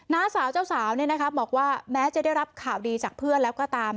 ้าสาวเจ้าสาวบอกว่าแม้จะได้รับข่าวดีจากเพื่อนแล้วก็ตาม